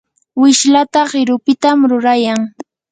wishlata qirupitam rurayan.